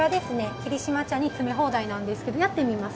霧島茶の詰め放題なんですけどやってみますか？